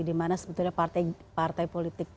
dimana sebetulnya partai politik